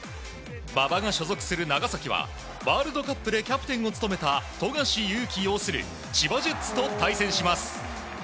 馬場が所属する長崎はワールドカップでキャプテンを務めた富樫勇樹擁する千葉ジェッツと対戦します。